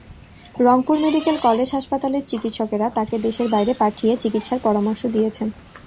Rangpur medical college হাসপাতালের চিকিৎসকেরা তাঁকে দেশের বাইরে পাঠিয়ে চিকিৎসার পরামর্শ দিয়েছেন।